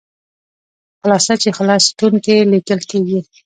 خلاصه په خلص ستون کې لیکل کیږي.